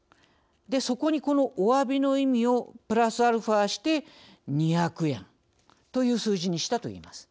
そこにおわびの意味をプラスアルファして２００円という数字にしたといいます。